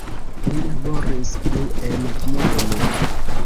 Li laboris plu en Vieno.